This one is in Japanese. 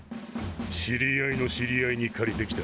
知り合いの知り合いに借りてきた。